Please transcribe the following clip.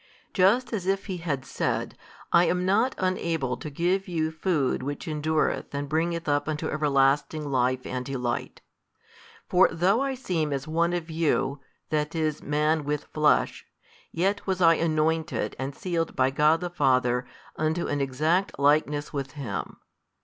Just as if He had said, I am not unable to give you food which endureth and bringeth up unto everlasting life and delight. For though I seem as one of you, that is Man with flesh, yet was I anointed and sealed by God the Father unto an exact Likeness with Him.